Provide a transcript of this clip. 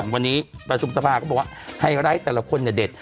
วันนี้ประสูรสภาคก็บอกว่าให้ไลค์แต่ละคนเด็ด